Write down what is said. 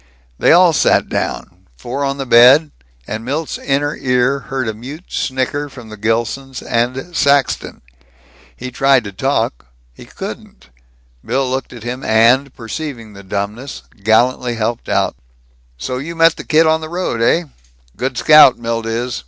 They all sat down, four on the bed; and Milt's inner ear heard a mute snicker from the Gilsons and Saxton. He tried to talk. He couldn't. Bill looked at him and, perceiving the dumbness, gallantly helped out: "So you met the kid on the road, eh? Good scout, Milt is.